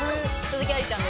鈴木愛理ちゃん。